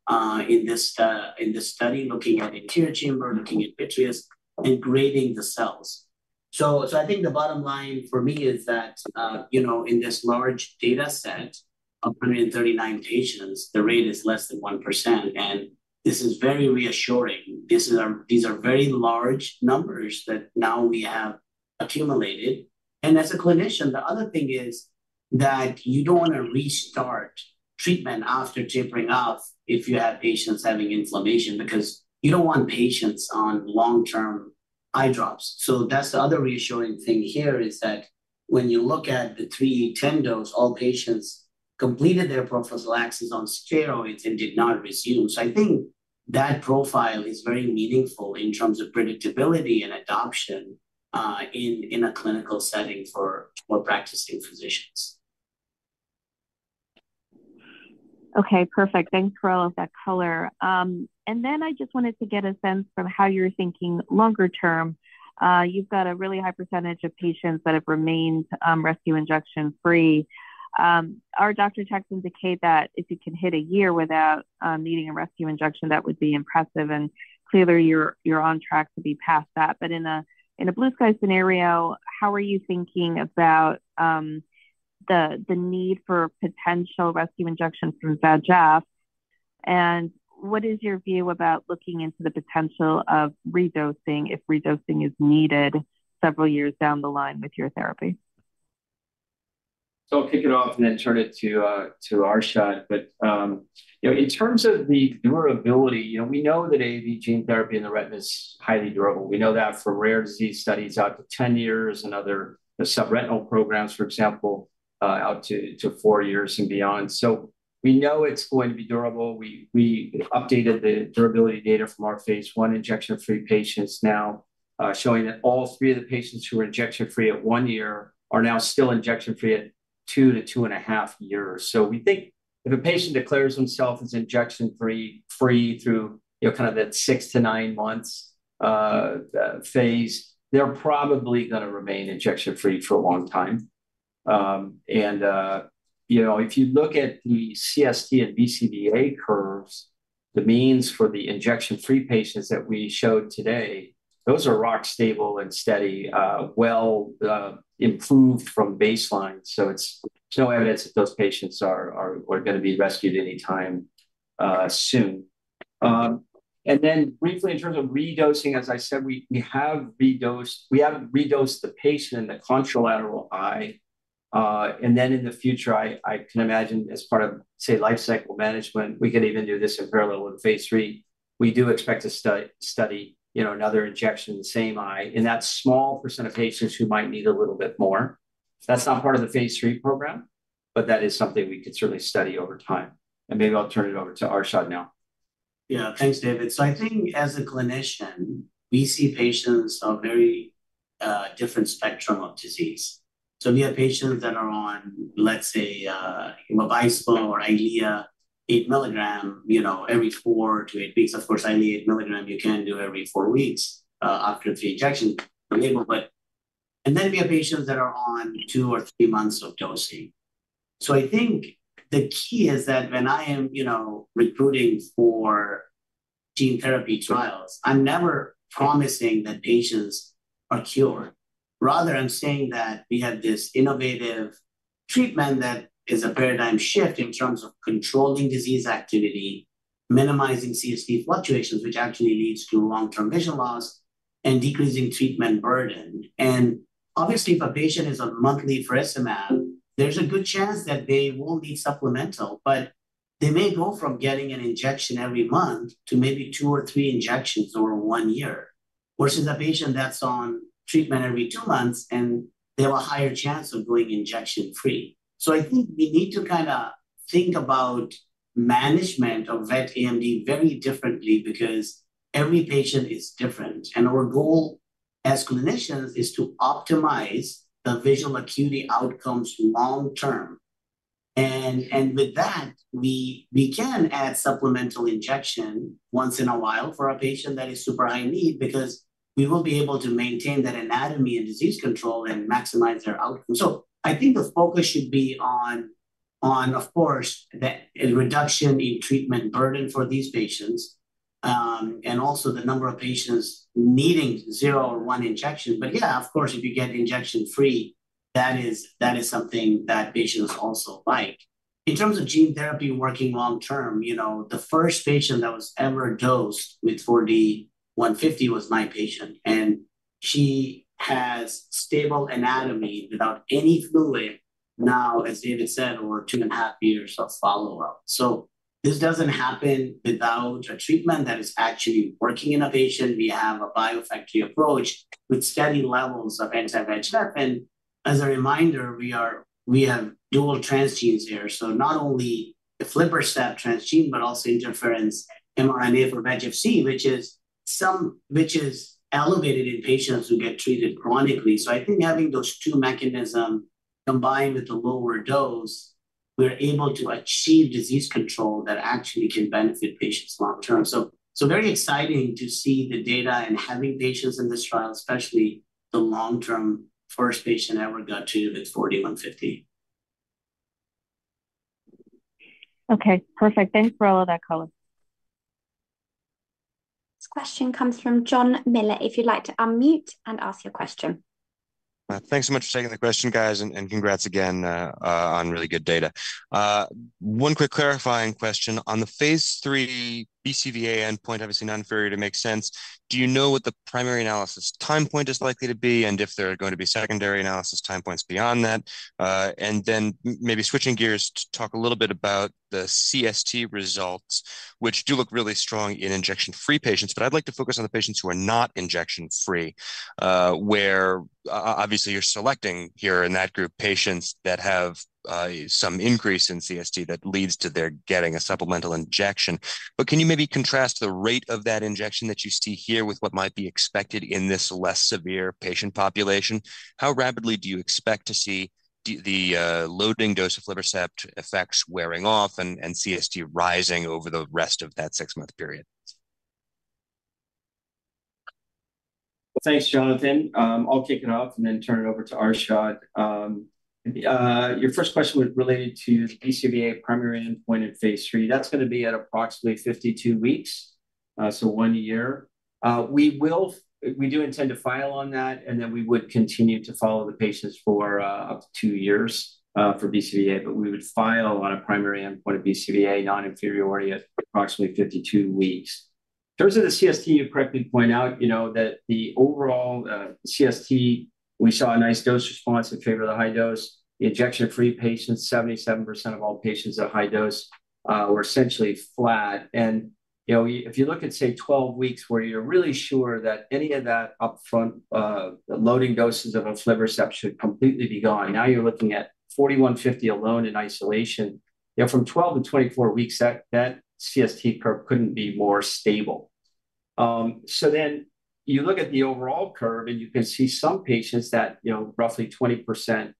in this study, looking at anterior chamber, looking at vitreous, and grading the cells. So I think the bottom line for me is that you know, in this large data set of 139 patients, the rate is less than 1%, and this is very reassuring. These are very large numbers that now we have accumulated. And as a clinician, the other thing is that you don't want to restart treatment after tapering off if you have patients having inflammation because you don't want patients on long-term eye drops. So that's the other reassuring thing here, is that when you look at the 3 Tendo, all patients completed their prophylaxis on steroids and did not resume. So I think that profile is very meaningful in terms of predictability and adoption in a clinical setting for practicing physicians. Okay, perfect. Thanks for all of that color. And then I just wanted to get a sense from how you're thinking longer term. You've got a really high percentage of patients that have remained rescue injection-free. Our doctor checks indicate that if you can hit a year without needing a rescue injection, that would be impressive, and clearly, you're, you're on track to be past that. But in a blue-sky scenario, how are you thinking about the need for potential rescue injections from anti-VEGF? And what is your view about looking into the potential of redosing, if redosing is needed several years down the line with your therapy? So I'll kick it off and then turn it to Arshad. But you know, in terms of the durability, you know, we know that AAV gene therapy in the retina is highly durable. We know that for rare disease studies out to 10 years and other subretinal programs, for example, out to 4 years and beyond. So we know it's going to be durable. We updated the durability data from our phase I injection-free patients, showing that all 3 of the patients who were injection-free at 1 year are now still injection-free at 2-2.5 years. So we think if a patient declares himself as injection-free through, you know, kind of that 6-9 months phase, they're probably gonna remain injection-free for a long time. You know, if you look at the CST and BCVA curves, the means for the injection-free patients that we showed today, those are rock stable and steady, well, improved from baseline, so it's no evidence that those patients are gonna be rescued any time soon. And then briefly, in terms of redosing, as I said, we have redosed. We haven't redosed the patient in the contralateral eye. And then in the future, I can imagine, as part of, say, life cycle management, we could even do this in parallel with phase III. We do expect to study, you know, another injection in the same eye, in that small percent of patients who might need a little bit more. That's not part of the phase III program, but that is something we could certainly study over time. Maybe I'll turn it over to Arshad now. Yeah, thanks, David. So I think as a clinician, we see patients on very different spectrum of disease. So we have patients that are on, let's say Vabysmo or Eylea, 8 milligram, you know, every 4-8 weeks. Of course, Eylea 8 mg, you can't do every 4 weeks after the injection initial, and then, we have patients that are on 2 or 3 months of dosing. So I think the key is that when I am, you know, recruiting for gene therapy trials, I'm never promising that patients are cured. Rather, I'm saying that we have this innovative treatment that is a paradigm shift in terms of controlling disease activity, minimizing CST fluctuations, which actually leads to long-term vision loss and decreasing treatment burden. Obviously, if a patient is on monthly for tocilizumab, there's a good chance that they will need supplemental, but they may go from getting an injection every month to maybe 2 or 3 injections over 1 year, versus a patient that's on treatment every 2 months, and they have a higher chance of going injection-free. So I think we need to kind of think about management of wet AMD very differently because every patient is different, and our goal as clinicians is to optimize the visual acuity outcomes long term. And with that, we can add supplemental injection once in a while for a patient that is super high need because we will be able to maintain that anatomy and disease control and maximize their outcome. So I think the focus should be on, of course, a reduction in treatment burden for these patients, and also the number of patients needing zero or one injection. But yeah, of course, if you get injection-free, that is something that patients also like. In terms of gene therapy working long term, you know, the first patient that was ever dosed with 4D-150 was my patient, and she has stable anatomy without any fluid now, as David said, over two and a half years of follow-up. So this doesn't happen without a treatment that is actually working in a patient. We have a biofactory approach with steady levels of anti-VEGF. And as a reminder, we have dual transgenes here. Not only the aflibercept transgene, but also interference mRNA for VEGF-C, which is elevated in patients who get treated chronically. I think having those two mechanisms, combined with the lower dose, we're able to achieve disease control that actually can benefit patients long-term. So, so very exciting to see the data and having patients in this trial, especially the long-term first patient ever got treated with 4D-150. Okay, perfect. Thanks for all of that, Colin. This question comes from Jon Miller. If you'd like to unmute and ask your question. Thanks so much for taking the question, guys, and congrats again on really good data. One quick clarifying question. On the phase III BCVA endpoint, obviously, non-inferiority makes sense. Do you know what the primary analysis time point is likely to be, and if there are going to be secondary analysis time points beyond that? And then maybe switching gears to talk a little bit about the CST results, which do look really strong in injection-free patients, but I'd like to focus on the patients who are not injection-free, where obviously you're selecting here in that group patients that have some increase in CST that leads to their getting a supplemental injection. But can you maybe contrast the rate of that injection that you see here with what might be expected in this less severe patient population? How rapidly do you expect to see the loading dose of aflibercept effects wearing off and CST rising over the rest of that six-month period? Thanks, Jonathan. I'll kick it off and then turn it over to Arshad. Your first question was related to BCVA primary endpoint in phase III. That's gonna be at approximately 52 weeks, so one year. We do intend to file on that, and then we would continue to follow the patients for up to 2 years for BCVA, but we would file on a primary endpoint of BCVA non-inferiority at approximately 52 weeks. In terms of the CST, you correctly point out, you know, that the overall CST, we saw a nice dose response in favor of the high dose. The injection-free patients, 77% of all patients at high dose, were essentially flat. And, you know, if you look at, say, 12 weeks, where you're really sure that any of that upfront. The loading doses of aflibercept should completely be gone. Now you're looking at 4D-150 alone in isolation. You know, from 12-24 weeks, that CST curve couldn't be more stable. So then you look at the overall curve, and you can see some patients that, you know, roughly 20%,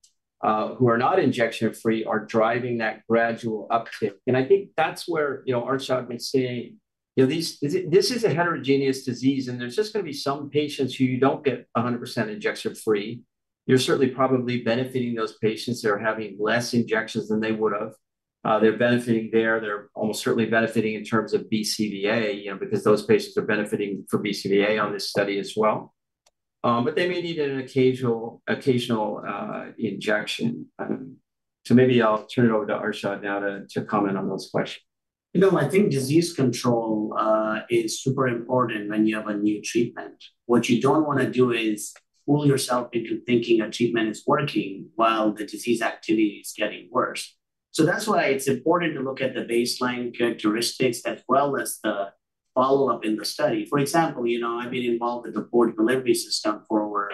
who are not injection free, are driving that gradual uptick. And I think that's where, you know, Arshad was saying, you know, this is a heterogeneous disease, and there's just gonna be some patients who you don't get 100% injection free. You're certainly probably benefiting those patients that are having less injections than they would have. They're benefiting there. They're almost certainly benefiting in terms of BCVA, you know, because those patients are benefiting from BCVA on this study as well. But they may need an occasional injection. So maybe I'll turn it over to Arshad now to comment on those questions. You know, I think disease control is super important when you have a new treatment. What you don't wanna do is fool yourself into thinking a treatment is working while the disease activity is getting worse. So that's why it's important to look at the baseline characteristics as well as the follow-up in the study. For example, you know, I've been involved with the Port Delivery System for over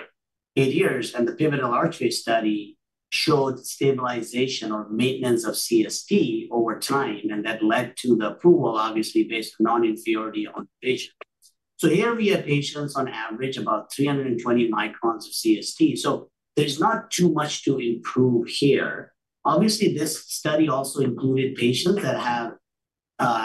8 years, and the pivotal Archway study showed stabilization or maintenance of CST over time, and that led to the approval, obviously, based on non-inferiority on patients. So here we have patients, on average, about 320 microns of CST, so there's not too much to improve here. Obviously, this study also included patients that have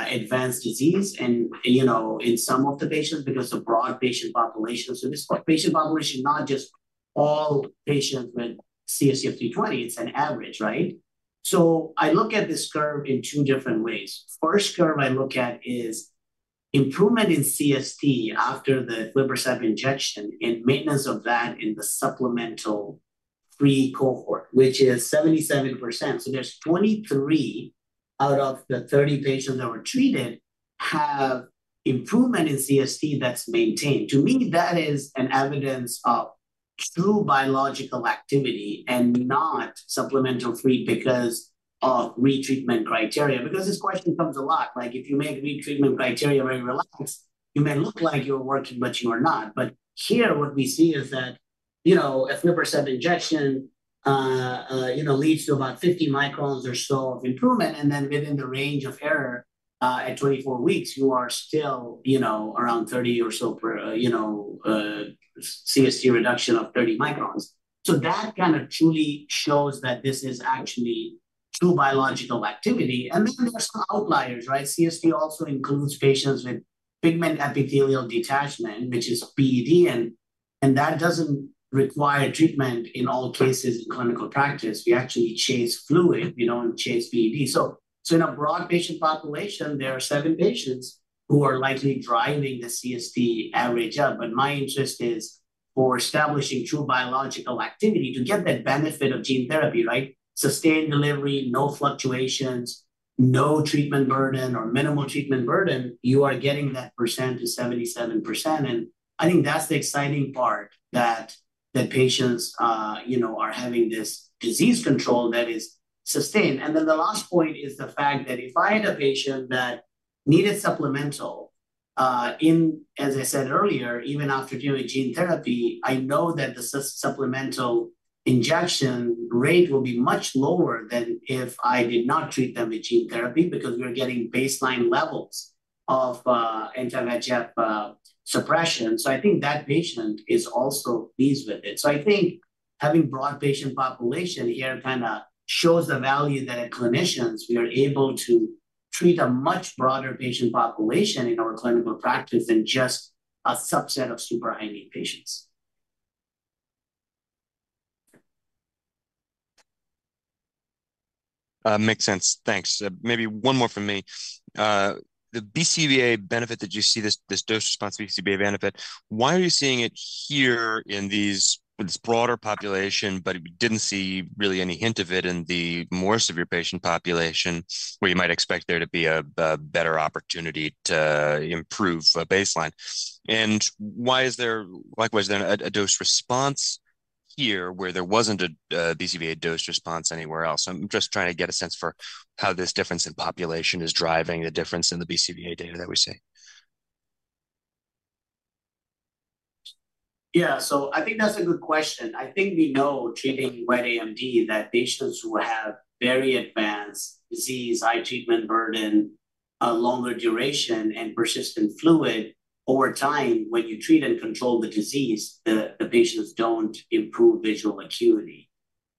advanced disease and, you know, in some of the patients, because a broad patient population. So this patient population, not just all patients with CST of 220, it's an average, right? So I look at this curve in two different ways. First curve I look at is improvement in CST after the aflibercept injection and maintenance of that in the supplement-free cohort, which is 77%. So there's 23/30 patients that were treated have improvement in CST that's maintained. To me, that is an evidence of true biological activity and not supplement-free because of retreatment criteria. Because this question comes a lot, like, if you make retreatment criteria very relaxed, you may look like you're working, but you are not. But here, what we see is that, you know, an aflibercept injection, you know, leads to about 50 microns or so of improvement, and then within the range of error, at 24 weeks, you are still, you know, around 30 or so per CST reduction of 30 microns. So that kind of truly shows that this is actually true biological activity. And then there's some outliers, right? CST also includes patients with pigment epithelial detachment, which is PED, and that doesn't require treatment in all cases in clinical practice. We actually chase fluid, we don't chase PED. So in a broad patient population, there are 7 patients who are likely driving the CST average up. But my interest is for establishing true biological activity to get that benefit of gene therapy, right? Sustained delivery, no fluctuations, no treatment burden or minimal treatment burden, you are getting that percent to 77%, and I think that's the exciting part, that the patients, you know, are having this disease control that is sustained. And then the last point is the fact that if I had a patient that needed supplemental, as I said earlier, even after doing gene therapy, I know that the supplemental injection rate will be much lower than if I did not treat them with gene therapy, because we're getting baseline levels of, Anti-VEGF, suppression. So I think that patient is also pleased with it. So I think having broad patient population here kind of shows the value that as clinicians, we are able to treat a much broader patient population in our clinical practice than just a subset of super high-need patients. Makes sense. Thanks. Maybe one more from me. The BCVA benefit that you see, this, this dose response BCVA benefit, why are you seeing it here in these, in this broader population, but we didn't see really any hint of it in the more severe patient population, where you might expect there to be a, a better opportunity to improve, baseline? And why is there, likewise, then, a, a dose response here where there wasn't a, a BCVA dose response anywhere else? I'm just trying to get a sense for how this difference in population is driving the difference in the BCVA data that we're seeing. Yeah, so I think that's a good question. I think we know, treating wet AMD, that patients who have very advanced disease, high treatment burden, a longer duration, and persistent fluid, over time, when you treat and control the disease, the patients don't improve visual acuity.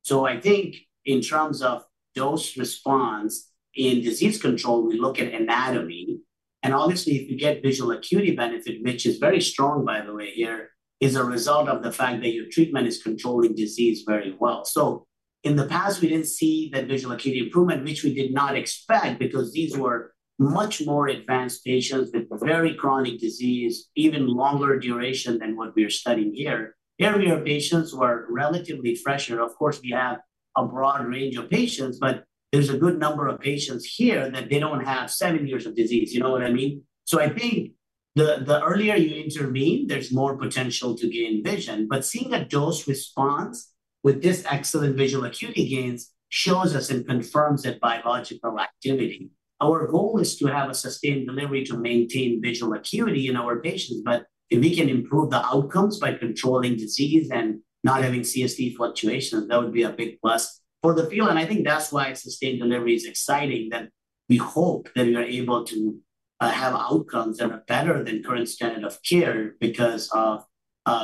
So I think in terms of dose response in disease control, we look at anatomy, and obviously, if you get visual acuity benefit, which is very strong by the way, here, is a result of the fact that your treatment is controlling disease very well. So in the past, we didn't see that visual acuity improvement, which we did not expect, because these were much more advanced patients with very chronic disease, even longer duration than what we are studying here. Here, we have patients who are relatively fresher. Of course, we have a broad range of patients, but there's a good number of patients here that they don't have seven years of disease. You know what I mean? So I think the earlier you intervene, there's more potential to gain vision. But seeing a dose response with this excellent visual acuity gains shows us and confirms that biological activity. Our goal is to have a sustained delivery to maintain visual acuity in our patients, but if we can improve the outcomes by controlling disease and not having CST fluctuations, that would be a big plus for the field. And I think that's why sustained delivery is exciting, that we hope that we are able to have outcomes that are better than current standard of care because of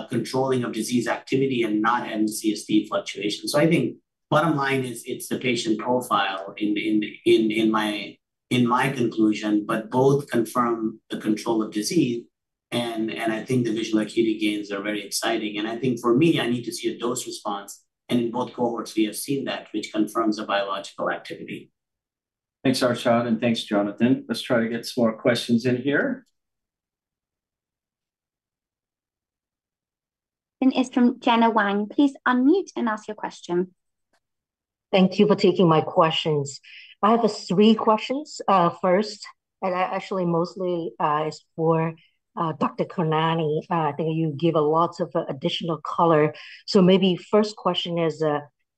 controlling of disease activity and not CST fluctuations. So I think bottom line is, it's the patient profile in my conclusion, but both confirm the control of disease, and I think the visual acuity gains are very exciting. And I think for me, I need to see a dose response, and in both cohorts we have seen that, which confirms the biological activity. Thanks, Arshad, and thanks, Jonathan. Let's try to get some more questions in here. It's from Gena Wang. Please unmute and ask your question. Thank you for taking my questions. I have three questions. First, and actually mostly is for Dr. Khanani. I think you give a lot of additional color. So maybe first question is,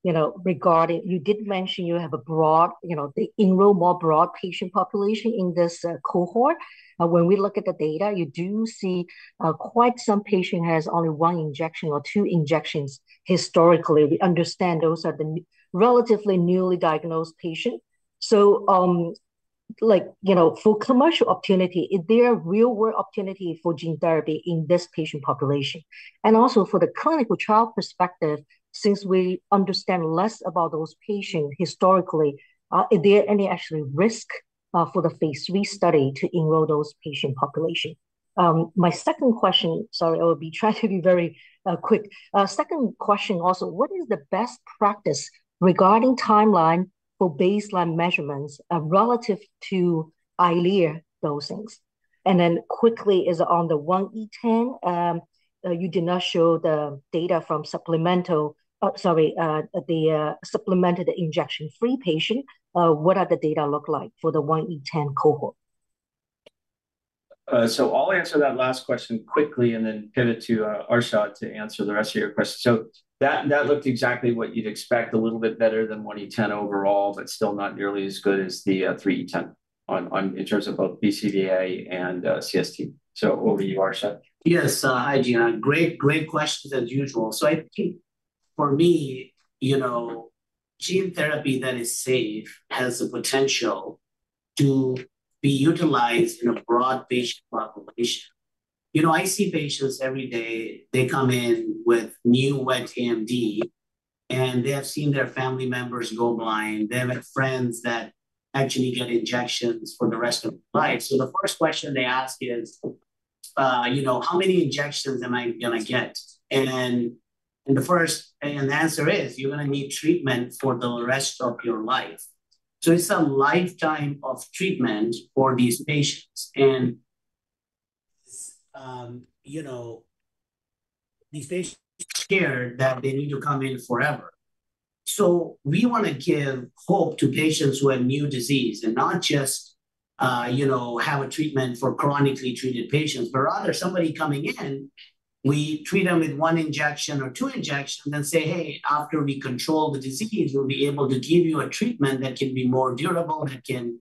you know, regarding. You did mention you have a broad, you know, they enroll more broad patient population in this cohort. When we look at the data, you do see quite some patient has only one injection or two injections historically. We understand those are the relatively newly diagnosed patient. So, like, you know, for commercial opportunity, is there a real-world opportunity for gene therapy in this patient population? And also for the clinical trial perspective, since we understand less about those patient historically, is there any actually risk for the Phase III study to enroll those patient population? My second question, sorry, I will be trying to be very quick. Second question also, what is the best practice regarding timeline for baseline measurements relative to Eylea dosings? And then quickly, on the 1E10, you did not show the data from supplemental injection-free patient. Sorry, the supplemented injection-free patient. What are the data look like for the 1E10 cohort? So I'll answer that last question quickly, and then pivot to Arshad to answer the rest of your question. So that looked exactly what you'd expect, a little bit better than 1E10 overall, but still not nearly as good as the 3E10 on in terms of both BCVA and CST. So over to you, Arshad. Yes. Hi, Gena. Great, great questions as usual. So I think for me, you know, gene therapy that is safe has the potential to be utilized in a broad patient population. You know, I see patients every day, they come in with new wet AMD, and they have seen their family members go blind. They have had friends that actually get injections for the rest of their life. So the first question they ask is, you know, "How many injections am I gonna get?" And the answer is, "You're gonna need treatment for the rest of your life." So it's a lifetime of treatment for these patients, and, you know, these patients are scared that they need to come in forever. So we wanna give hope to patients who have new disease and not just, you know, have a treatment for chronically treated patients, but rather somebody coming in, we treat them with one injection or two injections, then say, "Hey, after we control the disease, we'll be able to give you a treatment that can be more durable, that can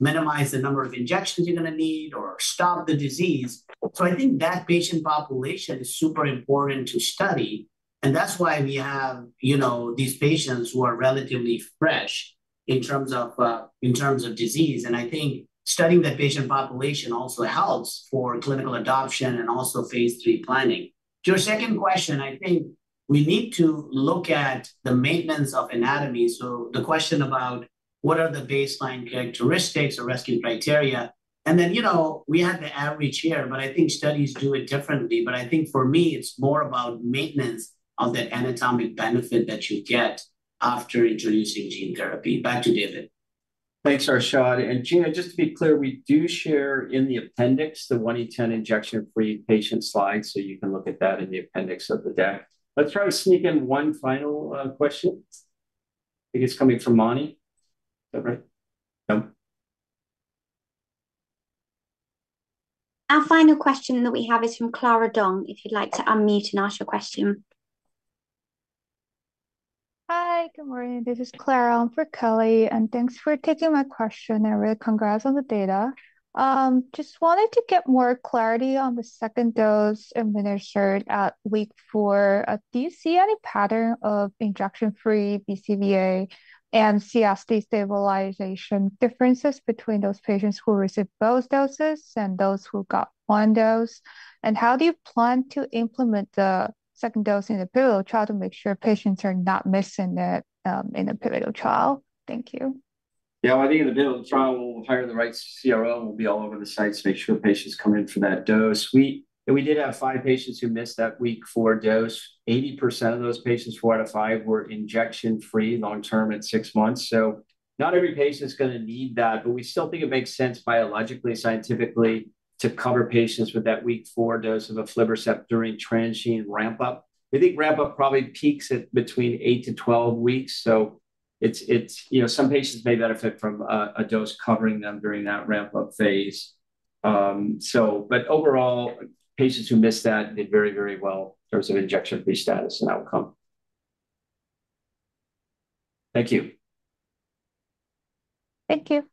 minimize the number of injections you're gonna need or stop the disease." So I think that patient population is super important to study, and that's why we have, you know, these patients who are relatively fresh in terms of disease. And I think studying the patient population also helps for clinical adoption and also phase III planning. To your second question, I think we need to look at the maintenance of anatomy. So the question about what are the baseline characteristics or rescue criteria? And then, you know, we have the average here, but I think studies do it differently. But I think for me, it's more about maintenance of the anatomic benefit that you get after introducing gene therapy. Back to David. Thanks, Arshad. And Gena, just to be clear, we do share in the appendix the 1E10 injection-free patient slide, so you can look at that in the appendix of the deck. Let's try to sneak in one final question. I think it's coming from Mani. Is that right? Our final question that we have is from Clara Ding, if you'd like to unmute and ask your question. Hi, good morning. This is Clara Ding for Kelly, and thanks for taking my question, and really congrats on the data. Just wanted to get more clarity on the second dose administered at week 4. Do you see any pattern of injection-free BCVA and CST stabilization differences between those patients who received both doses and those who got one dose? And how do you plan to implement the second dose in the pivotal trial to make sure patients are not missing it, in the pivotal trial? Thank you. Yeah, I think in the pivotal trial, we'll hire the right CRO, and we'll be all over the sites to make sure patients come in for that dose. And we did have 5 patients who missed that week 4 dose. 80% of those patients, 4 out of 5, were injection-free long-term at 6 months. So not every patient is gonna need that, but we still think it makes sense biologically, scientifically, to cover patients with that week 4 dose of aflibercept during transient ramp up. We think ramp up probably peaks at between 8-12 weeks, so it's, you know, some patients may benefit from a dose covering them during that ramp-up phase. So, but overall, patients who missed that did very, very well in terms of injection-free status and outcome. Thank you. Thank you.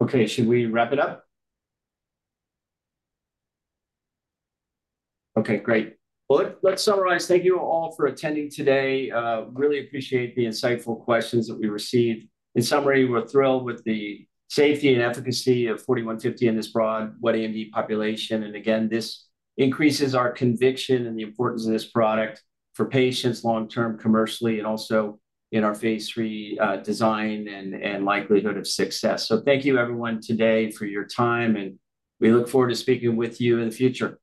Okay. Should we wrap it up? Okay, great. Well, let's summarize. Thank you all for attending today. Really appreciate the insightful questions that we received. In summary, we're thrilled with the safety and efficacy of 4D-150 in this broad wet AMD population. And again, this increases our conviction in the importance of this product for patients long-term, commercially, and also in our phase III design and likelihood of success. So thank you everyone today for your time, and we look forward to speaking with you in the future.